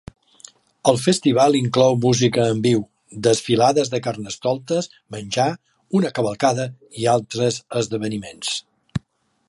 El festival inclou música en viu, desfilades de carnestoltes, menjar, una cavalcada i altres esdeveniments.